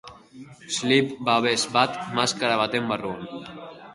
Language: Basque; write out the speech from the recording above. Slip-babes bat maskara baten barruan.